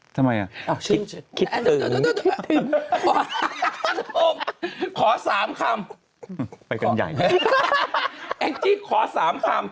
ทำไมอ่ะอ้าวคิดขอสามคำไปกันใหญ่แอมจี้ขอสามคำ